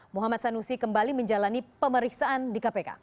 muhammad sanusi kembali menjalani pemeriksaan di kpk